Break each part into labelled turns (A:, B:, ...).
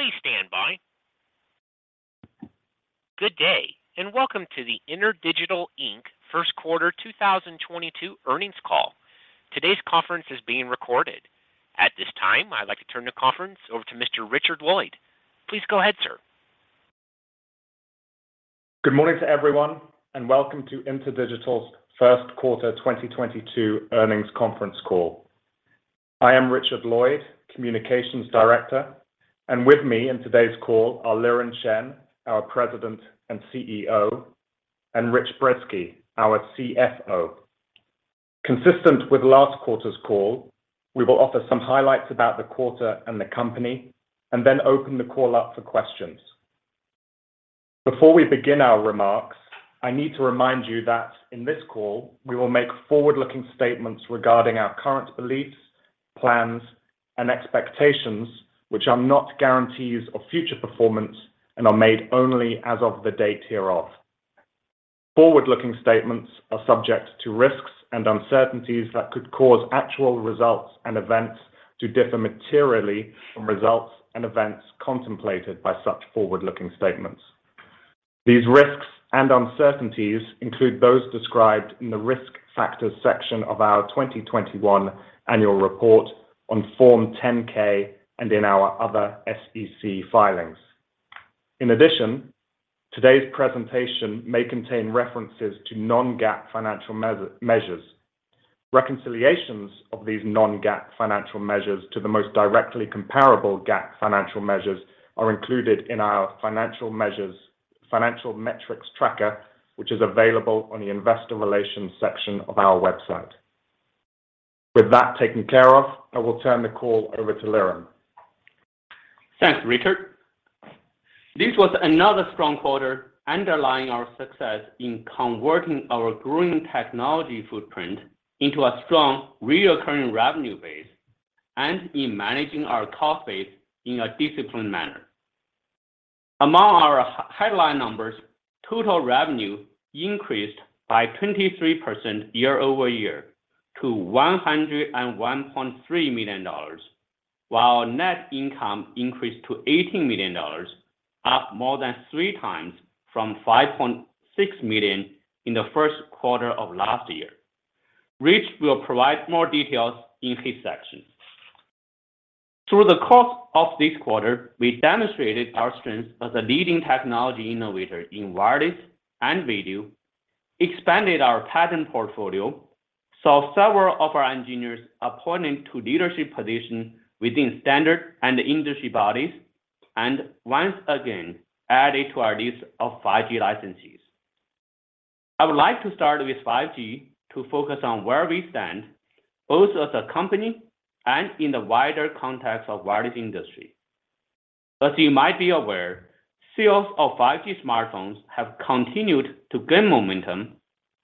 A: Please stand by. Good day, and welcome to the InterDigital, Inc. Q1 2022 earnings call. Today's conference is being recorded. At this time, I'd like to turn the conference over to Mr. Richard Lloyd. Please go ahead, sir.
B: Good morning to everyone, and welcome to InterDigital's Q1 2022 earnings conference call. I am Richard Lloyd, Communications Director. With me in today's call are Liren Chen, our President and CEO, and Richard Brezski, our CFO. Consistent with last quarter's call, we will offer some highlights about the quarter and the company, and then open the call up for questions. Before we begin our remarks, I need to remind you that in this call, we will make forward-looking statements regarding our current beliefs, plans, and expectations, which are not guarantees of future performance and are made only as of the date hereof. Forward-looking statements are subject to risks and uncertainties that could cause actual results and events to differ materially from results and events contemplated by such forward-looking statements. These risks and uncertainties include those described in the Risk Factors section of our 2021 annual report on Form 10-K and in our other SEC filings. In addition, today's presentation may contain references to non-GAAP financial measures. Reconciliations of these non-GAAP financial measures to the most directly comparable GAAP financial measures are included in our financial metrics tracker, which is available on the investor relations section of our website. With that taken care of, I will turn the call over to Liren.
C: Thanks, Richard. This was another strong quarter underlying our success in converting our growing technology footprint into a strong recurring revenue base and in managing our cost base in a disciplined manner. Among our highlight numbers, total revenue increased by 23% year-over-year to $101.3 million, while net income increased to $80 million, up more than three times from $5.6 million in the Q1 of last year. Rich will provide more details in his section. Through the course of this quarter, we demonstrated our strength as a leading technology innovator in wireless and video, expanded our patent portfolio, saw several of our engineers appointed to leadership positions within standards and industry bodies, and once again added to our list of 5G licensees. I would like to start with 5G to focus on where we stand, both as a company and in the wider context of wireless industry. As you might be aware, sales of 5G smartphones have continued to gain momentum.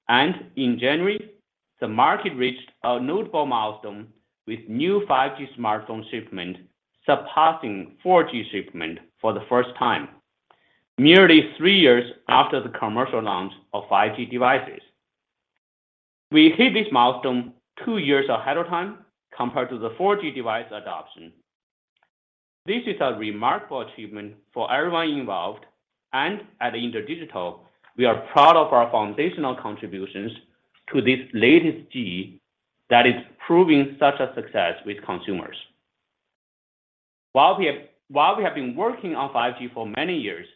C: In January, the market reached a notable milestone with new 5G smartphone shipment surpassing 4G shipment for the first time, merely 3 years after the commercial launch of 5G devices. We hit this milestone 2 years ahead of time compared to the 4G device adoption. This is a remarkable achievement for everyone involved. At InterDigital, we are proud of our foundational contributions to this latest G that is proving such a success with consumers. While we have been working on 5G for many years,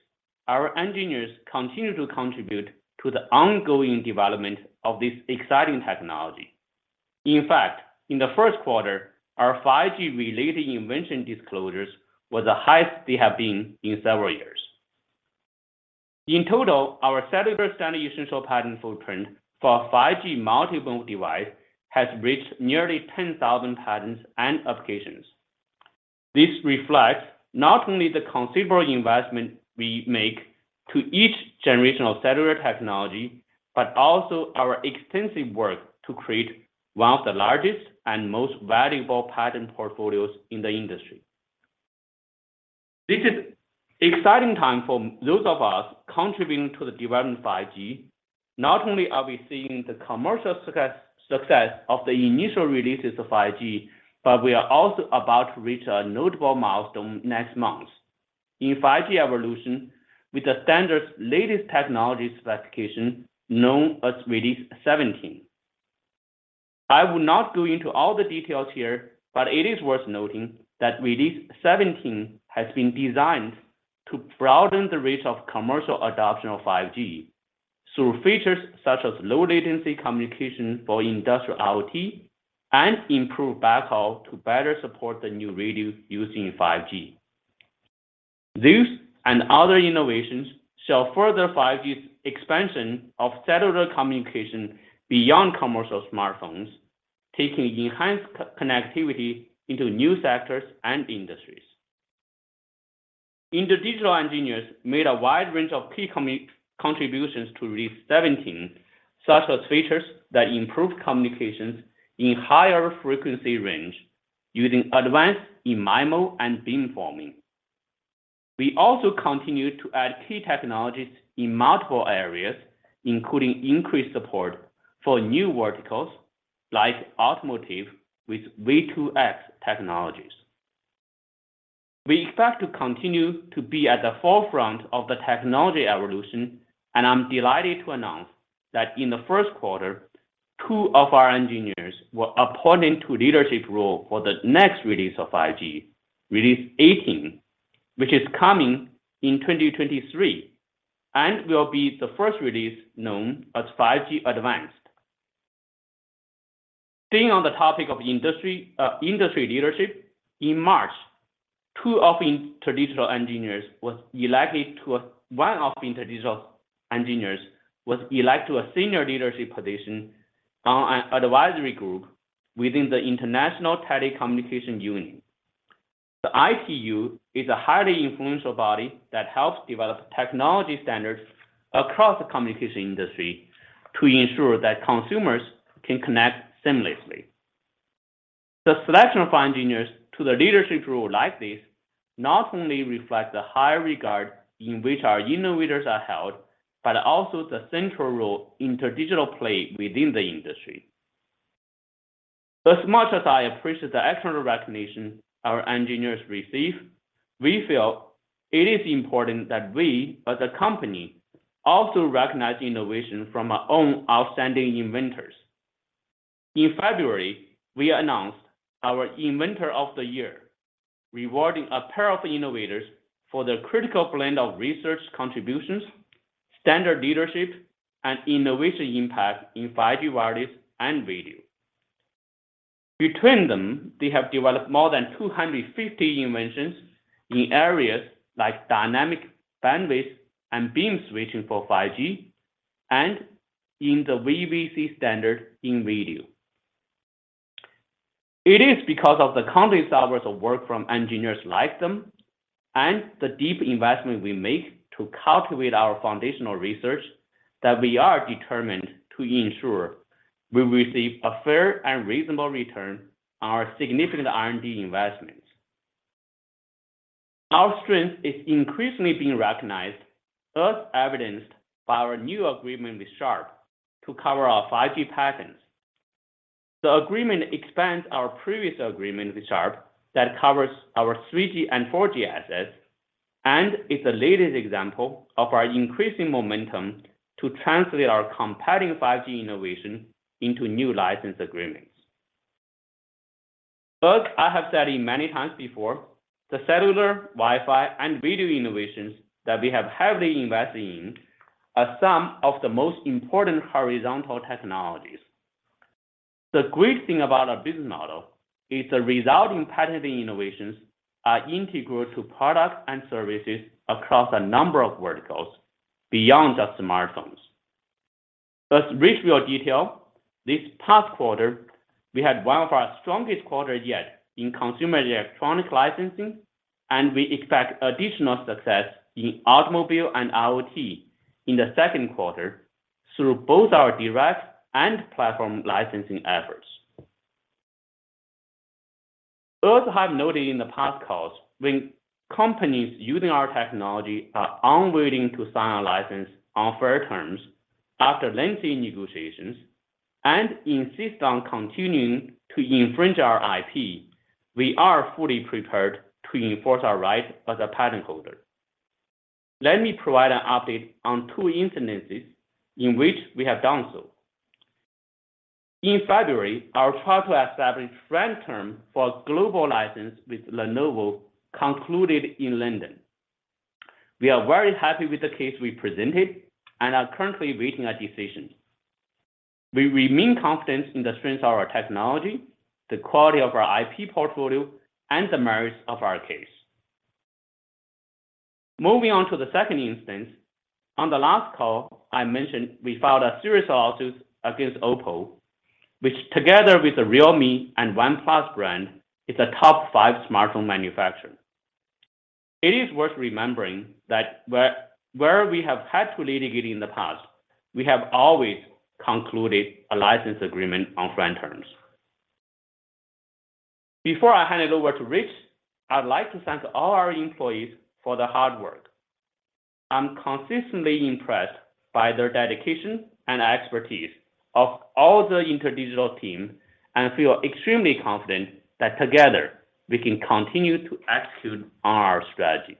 C: our engineers continue to contribute to the ongoing development of this exciting technology. In fact, in the Q1, our 5G related invention disclosures was the highest they have been in several years. In total, our cellular standard essential patent footprint for 5G multi-mode device has reached nearly 10,000 patents and applications. This reflects not only the considerable investment we make to each generation of cellular technology, but also our extensive work to create one of the largest and most valuable patent portfolios in the industry. This is exciting time for those of us contributing to the development of 5G. Not only are we seeing the commercial success of the initial releases of 5G, but we are also about to reach a notable milestone next month in 5G evolution with the standard's latest technology specification known as Release 17. I will not go into all the details here, but it is worth noting that Release 17 has been designed to broaden the reach of commercial adoption of 5G through features such as low latency communication for industrial IoT and improved backhaul to better support the new radios using 5G. These and other innovations show further 5G expansion of cellular communication beyond commercial smartphones, taking enhanced connectivity into new sectors and industries. InterDigital engineers made a wide range of key contributions to Release 17, such as features that improve communications in higher frequency range using advanced MIMO and beamforming. We also continue to add key technologies in multiple areas, including increased support for new verticals like automotive with V2X technologies. We expect to continue to be at the forefront of the technology evolution, and I'm delighted to announce that in the Q1, Q2 of our engineers were appointed to leadership role for the next release of 5G, Release 18, which is coming in 2023 and will be the first release known as 5G-Advanced. Staying on the topic of industry leadership, in March, one of InterDigital engineers was elected to a senior leadership position on an advisory group within the International Telecommunication Union. The ITU is a highly influential body that helps develop technology standards across the communication industry to ensure that consumers can connect seamlessly. The selection of our engineers to the leadership role like this not only reflects the high regard in which our innovators are held, but also the central role InterDigital play within the industry. As much as I appreciate the external recognition our engineers receive, we feel it is important that we, as a company, also recognize innovation from our own outstanding inventors. In February, we announced our Inventor of the Year, rewarding a pair of innovators for their critical blend of research contributions, standard leadership, and innovation impact in 5G wireless and video. Between them, they have developed more than 250 inventions in areas like dynamic bandwidth and beam switching for 5G and in the VVC standard in video. It is because of the countless hours of work from engineers like them and the deep investment we make to cultivate our foundational research that we are determined to ensure we receive a fair and reasonable return on our significant R&D investments. Our strength is increasingly being recognized, as evidenced by our new agreement with Sharp to cover our 5G patents. The agreement expands our previous agreement with Sharp that covers our 3G and 4G assets and is the latest example of our increasing momentum to translate our competing 5G innovation into new license agreements. As I have said many times before, the cellular, Wi-Fi, and video innovations that we have heavily invested in are some of the most important horizontal technologies. The great thing about our business model is the resulting patented innovations are integral to products and services across a number of verticals beyond just smartphones. As Rich will detail, this past quarter, we had one of our strongest quarters yet in consumer electronics licensing, and we expect additional success in automotive and IoT in the Q2 through both our direct and platform licensing efforts. We also have noted in the past calls when companies using our technology are unwilling to sign a license on fair terms after lengthy negotiations and insist on continuing to infringe our IP, we are fully prepared to enforce our rights as a patent holder. Let me provide an update on two instances in which we have done so. In February, our trial to establish fair terms for a global license with Lenovo concluded in London. We are very happy with the case we presented and are currently awaiting a decision. We remain confident in the strength of our technology, the quality of our IP portfolio, and the merits of our case. Moving on to the second instance. On the last call, I mentioned we filed a serious lawsuit against Oppo, which together with the Realme and OnePlus brand, is a top five smartphone manufacturer. It is worth remembering that where we have had to litigate in the past, we have always concluded a license agreement on fair terms. Before I hand it over to Rich, I'd like to thank all our employees for their hard work. I'm consistently impressed by their dedication and expertise of all the InterDigital team and feel extremely confident that together we can continue to execute on our strategy.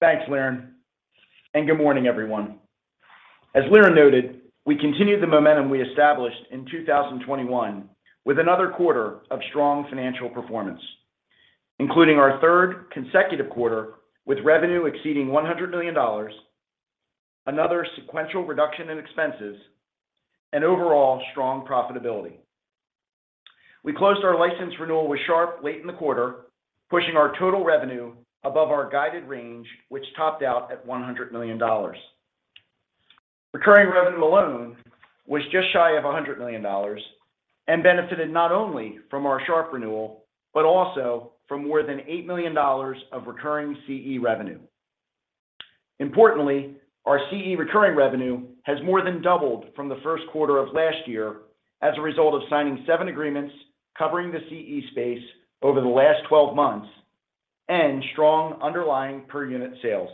D: Thanks, Liren, and good morning, everyone. As Liren noted, we continued the momentum we established in 2021 with another quarter of strong financial performance, including our third consecutive quarter with revenue exceeding $100 million, another sequential reduction in expenses, and overall strong profitability. We closed our license renewal with Sharp late in the quarter, pushing our total revenue above our guided range, which topped out at $100 million. Recurring revenue alone was just shy of $100 million and benefited not only from our Sharp renewal, but also from more than $8 million of recurring CE revenue. Importantly, our CE recurring revenue has more than doubled from the first quarter of last year as a result of signing 7 agreements covering the CE space over the last 12 months. Strong underlying per unit sales.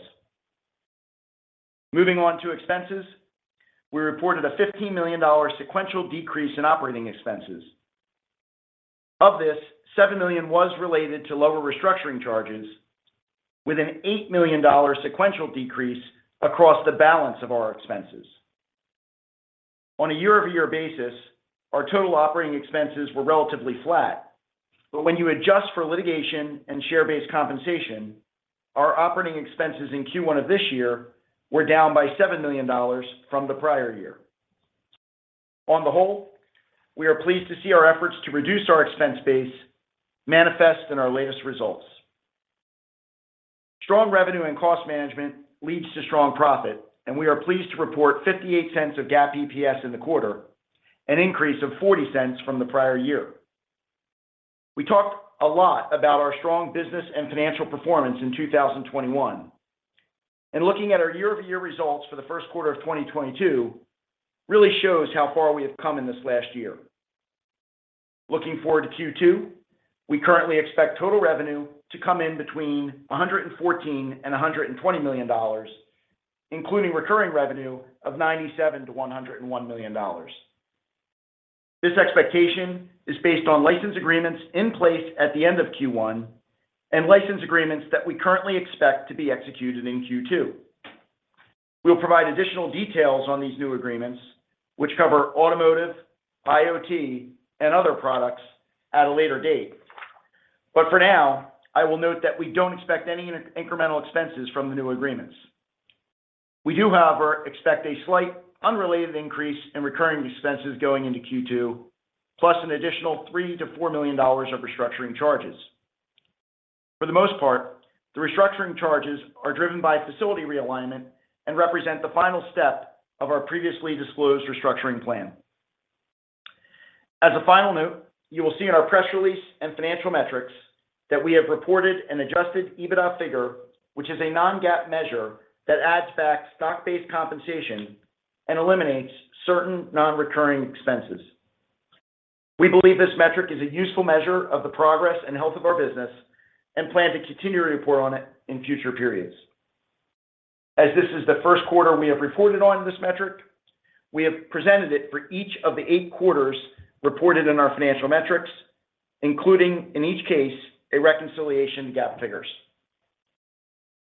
D: Moving on to expenses. We reported a $15 million sequential decrease in operating expenses. Of this, $7 million was related to lower restructuring charges with an $8 million sequential decrease across the balance of our expenses. On a year-over-year basis, our total operating expenses were relatively flat. When you adjust for litigation and share-based compensation, our operating expenses in Q1 of this year were down by $7 million from the prior year. On the whole, we are pleased to see our efforts to reduce our expense base manifest in our latest results. Strong revenue and cost management leads to strong profit, and we are pleased to report $0.58 of GAAP EPS in the quarter, an increase of $0.40 from the prior year. We talked a lot about our strong business and financial performance in 2021. Looking at our year-over-year results for the Q1 of 2022 really shows how far we have come in this last year. Looking forward to Q2, we currently expect total revenue to come in between $114-$120 million, including recurring revenue of $97-$101 million. This expectation is based on license agreements in place at the end of Q1 and license agreements that we currently expect to be executed in Q2. We'll provide additional details on these new agreements, which cover automotive, IoT, and other products at a later date. For now, I will note that we don't expect any incremental expenses from the new agreements. We do, however, expect a slight unrelated increase in recurring expenses going into Q2, plus an additional $3-$4 million of restructuring charges. For the most part, the restructuring charges are driven by facility realignment and represent the final step of our previously disclosed restructuring plan. As a final note, you will see in our press release and financial metrics that we have reported an adjusted EBITDA figure, which is a non-GAAP measure that adds back stock-based compensation and eliminates certain non-recurring expenses. We believe this metric is a useful measure of the progress and health of our business and plan to continue to report on it in future periods. As this is the Q1 we have reported on this metric, we have presented it for each of the Q8 reported in our financial metrics, including, in each case, a reconciliation to GAAP figures.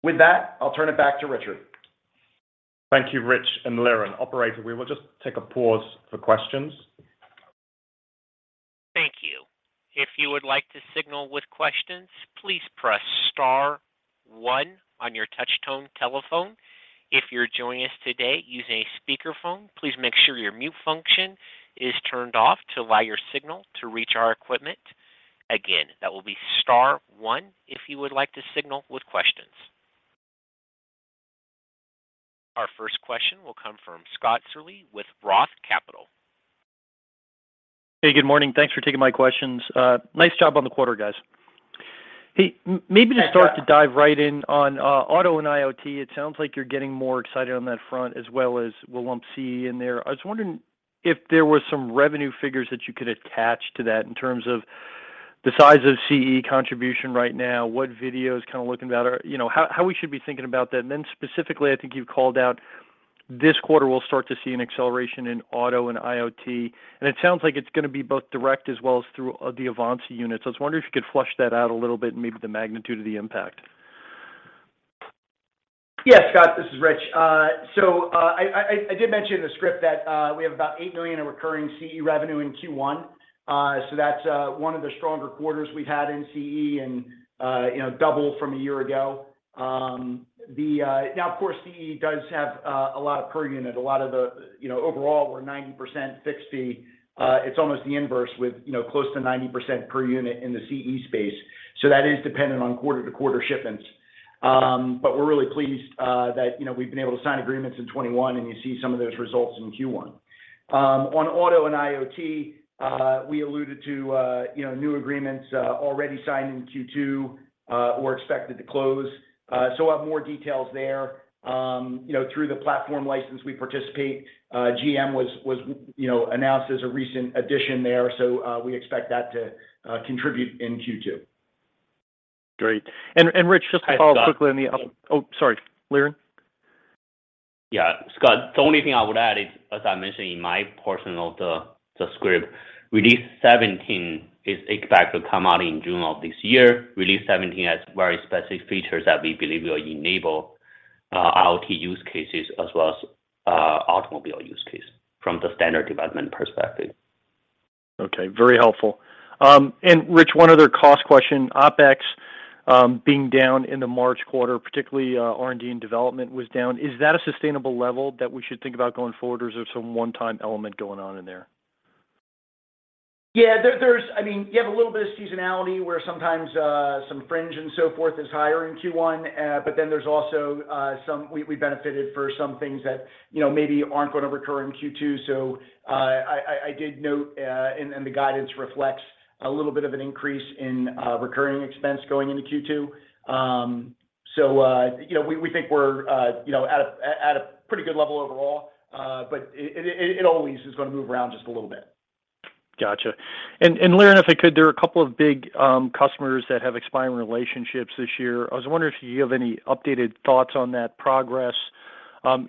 D: With that, I'll turn it back to Richard.
B: Thank you, Rich and Liren. Operator, we will just take a pause for questions.
A: Thank you. If you would like to signal with questions, please press star one on your touch tone telephone. If you're joining us today using a speakerphone, please make sure your mute function is turned off to allow your signal to reach our equipment. Again, that will be star one if you would like to signal with questions. Our first question will come from Scott Searle with Roth Capital.
E: Hey, good morning. Thanks for taking my questions. Nice job on the quarter, guys. Hey, maybe to start to dive right in on auto and IoT, it sounds like you're getting more excited on that front as well as we'll lump CE in there. I was wondering if there were some revenue figures that you could attach to that in terms of the size of CE contribution right now, what video is kind of looking about, or, you know, how we should be thinking about that. Specifically, I think you've called out this quarter, we'll start to see an acceleration in auto and IoT, and it sounds like it's gonna be both direct as well as through the Avanci unit. I was wondering if you could flesh that out a little bit and maybe the magnitude of the impact.
D: Yeah, Scott, this is Rich. So, I did mention in the script that we have about $8 million in recurring CE revenue in Q1. So that's one of the stronger quarters we've had in CE and, you know, double from a year ago. Now, of course, CE does have a lot of per unit, a lot of, you know, overall, we're 90% fixed fee. It's almost the inverse with, you know, close to 90% per unit in the CE space. So that is dependent on quarter-to-quarter shipments. But we're really pleased that, you know, we've been able to sign agreements in 2021, and you see some of those results in Q1. On auto and IoT, we alluded to, you know, new agreements already signed in Q2 or expected to close. We'll have more details there. You know, through the platform license we participate, GM was, you know, announced as a recent addition there. We expect that to contribute in Q2.
E: Great. Rich, just to follow up quickly on the-
C: Hi, Scott. Oh, sorry, Liren. Yeah, Scott, the only thing I would add is, as I mentioned in my portion of the script, Release 17 is expected to come out in June of this year. Release 17 has very specific features that we believe will enable IoT use cases as well as automobile use case from the standard development perspective.
E: Okay, very helpful. Rich, one other cost question. OpEx, being down in the March quarter, particularly, R&D and development was down. Is that a sustainable level that we should think about going forward, or is there some one-time element going on in there?
D: Yeah. I mean, you have a little bit of seasonality where sometimes some fringe and so forth is higher in Q1. We benefited from some things that, you know, maybe aren't gonna recur in Q2. I did note, and the guidance reflects a little bit of an increase in recurring expense going into Q2. You know, we think we're, you know, at a pretty good level overall. It always is gonna move around just a little bit.
E: Gotcha. Liren, if I could, there are a couple of big customers that have expiring relationships this year. I was wondering if you have any updated thoughts on that progress.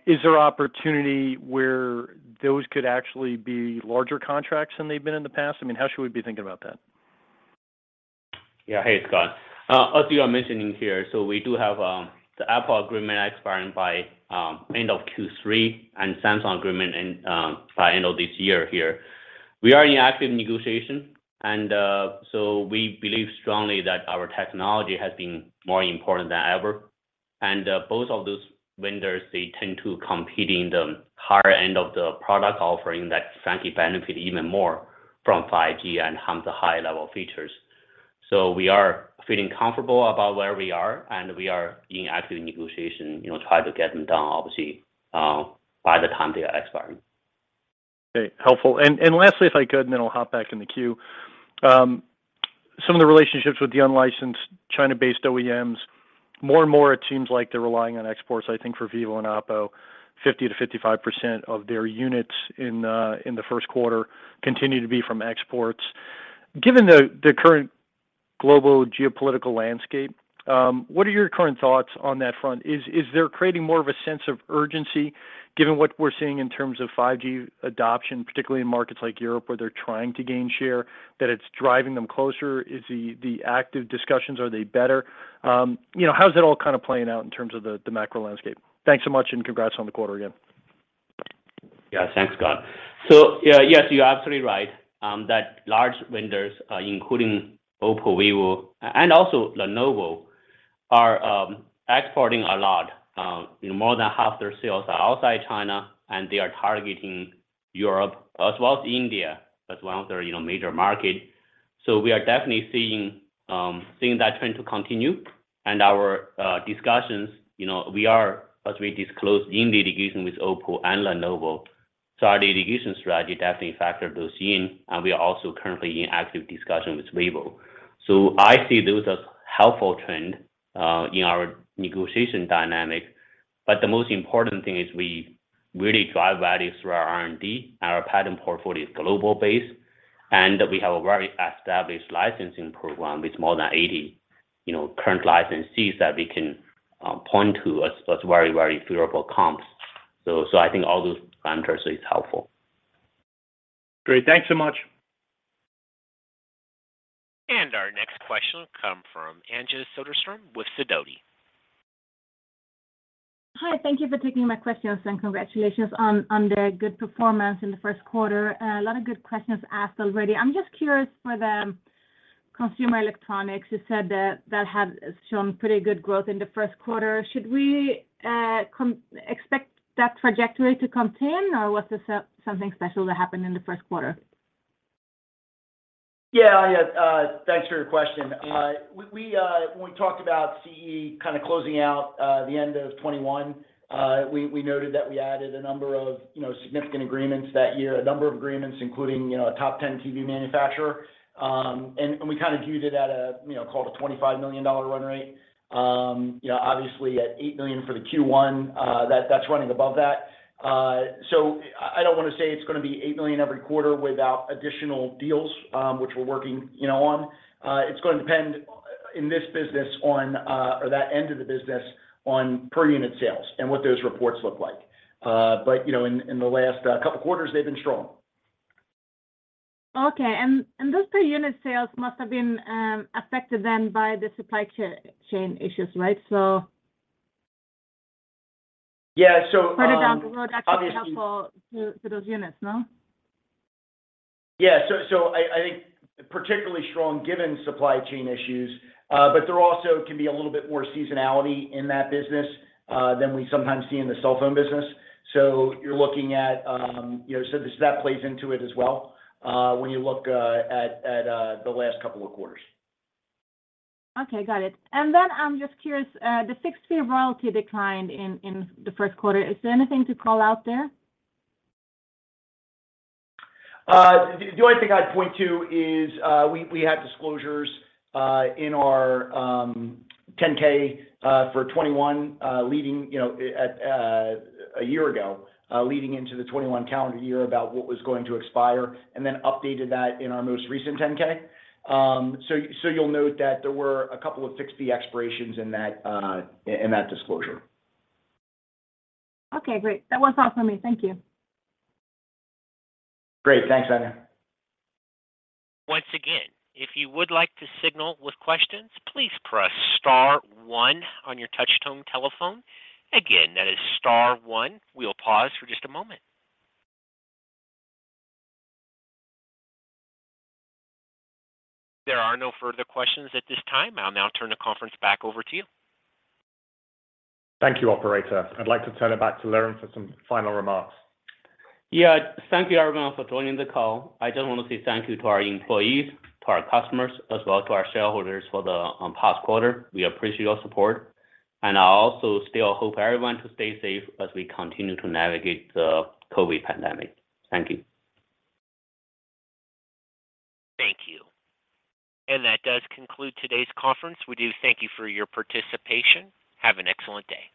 E: Is there opportunity where those could actually be larger contracts than they've been in the past? I mean, how should we be thinking about that?
C: Yeah. Hey, Scott. As you are mentioning here, we do have the Apple agreement expiring by end of Q3 and Samsung agreement by end of this year here. We are in active negotiation and so we believe strongly that our technology has been more important than ever. Both of those vendors, they tend to compete in the higher end of the product offering that frankly benefit even more from 5G and have the high level features. We are feeling comfortable about where we are, and we are in active negotiation, you know, try to get them done obviously by the time they are expiring.
E: Okay. Helpful. Lastly, if I could, and then I'll hop back in the queue. Some of the relationships with the unlicensed China-based OEMs, more and more it seems like they're relying on exports. I think for Vivo and Oppo, 50%-55% of their units in the Q1 continue to be from exports. Given the current global geopolitical landscape, what are your current thoughts on that front? Is there creating more of a sense of urgency given what we're seeing in terms of 5G adoption, particularly in markets like Europe where they're trying to gain share, that it's driving them closer? Is the active discussions, are they better? You know, how is it all kind of playing out in terms of the macro landscape? Thanks so much and congrats on the quarter again.
C: Yeah. Thanks, Scott. Yes, you're absolutely right, that large vendors, including Oppo, Vivo, and also Lenovo are exporting a lot. More than half their sales are outside China, and they are targeting Europe as well as India as well as their, you know, major market. We are definitely seeing that trend to continue. Our discussions, you know, we are, as we disclosed, in negotiation with Oppo and Lenovo. Our negotiation strategy definitely factor those in, and we are also currently in active discussion with Vivo. I see those as helpful trend in our negotiation dynamic. The most important thing is we really drive value through our R&D. Our patent portfolio is global based, and we have a very established licensing program with more than 80, you know, current licensees that we can point to as very, very favorable comps. I think all those factors is helpful.
E: Great. Thanks so much.
A: Our next question will come from Anja Soderstrom with Sidoti.
F: Hi. Thank you for taking my questions, and congratulations on the good performance in the first quarter. A lot of good questions asked already. I'm just curious for the consumer electronics. You said that has shown pretty good growth in the Q1. Should we expect that trajectory to continue, or was this something special that happened in the Q1?
D: Yeah, yeah. Thanks for your question. When we talked about CE kind of closing out the end of 2021, we noted that we added a number of, you know, significant agreements that year. A number of agreements including, you know, a top 10 TV manufacturer. We kind of viewed it at a, you know, call it a $25 million run rate. You know, obviously at $8 million for the Q1, that's running above that. I don't wanna say it's gonna be $8 million every quarter without additional deals, which we're working, you know, on. It's gonna depend in this business on, or that end of the business on per unit sales and what those reports look like. You know, in the last couple quarters, they've been strong.
F: Okay. Those per unit sales must have been affected then by the supply chain issues, right?
D: Yeah.
F: Further down the road.
D: Obviously-
F: Actually helpful to those units, no?
D: Yeah. I think particularly strong given supply chain issues, but there also can be a little bit more seasonality in that business than we sometimes see in the cell phone business. You're looking at, you know, this, that plays into it as well, when you look at the last couple of quarters.
F: Okay. Got it. I'm just curious, the fixed fee royalty declined in the Q1. Is there anything to call out there?
D: The only thing I'd point to is we had disclosures in our 10-K for 2021 leading, you know, a year ago, leading into the 2021 calendar year about what was going to expire, and then updated that in our most recent 10-K. So you'll note that there were a couple of fixed fee expirations in that disclosure.
F: Okay. Great. That was all for me. Thank you.
D: Great. Thanks, Anja.
A: Once again, if you would like to signal with questions, please press star one on your touch tone telephone. Again, that is star one. We'll pause for just a moment. There are no further questions at this time. I'll now turn the conference back over to you.
B: Thank you, Operator. I'd like to turn it back to Liren for some final remarks.
C: Yeah. Thank you everyone for joining the call. I just wanna say thank you to our employees, to our customers, as well to our shareholders for the past quarter. We appreciate your support. I also still hope everyone to stay safe as we continue to navigate the COVID pandemic. Thank you.
A: Thank you. That does conclude today's conference. We do thank you for your participation. Have an excellent day.